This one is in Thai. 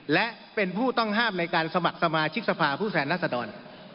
และเป็นผู้ต้องห้ามในการสมัครสมาชิกสภาผู้แทนรัศดร